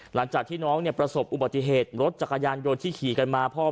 หลังจากที่น้องเนี่ยประสบอุบัติเหตุรถจักรยานยนต์ที่ขี่กันมาพ่อ